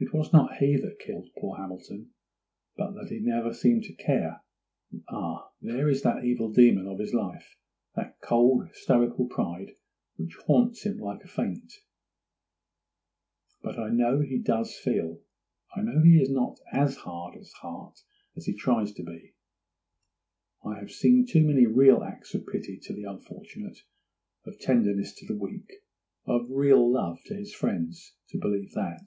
It was not that he killed poor Hamilton, but that he never seemed to care! Ah, there is that evil demon of his life!—that cold, stoical pride, which haunts him like a fate. But I know he does feel; I know he is not as hard at heart as he tries to be; I have seen too many real acts of pity to the unfortunate, of tenderness to the weak, of real love to his friends to believe that.